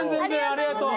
ありがとう。